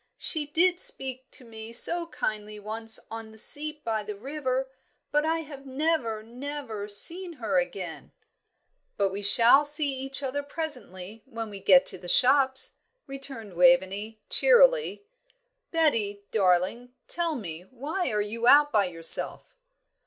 "She did speak to me so kindly once on the seat by the river; but I have never, never seen her again." "But we shall see each other presently, when we get to the shops," returned Waveney, cheerily. "Betty, darling, tell me, why are you out by yourself?"